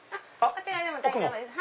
こちらでも大丈夫です。